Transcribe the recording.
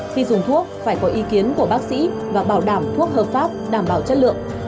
khi dùng thuốc phải có ý kiến của bác sĩ và bảo đảm thuốc hợp pháp đảm bảo chất lượng